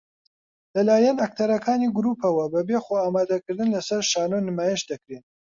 لە لایەن ئەکتەرەکانی گرووپەوە بەبێ خۆئامادەکردن لەسەر شانۆ نمایش دەکرێن